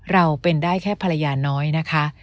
เราเป็นได้แค่ภรรยาน้อยนะคะ